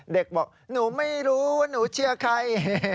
เด็กบอกหนูไม่รู้ว่าหนูเชียร์ใคร